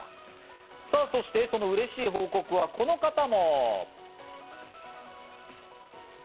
そして、その嬉しい報告はこの方も。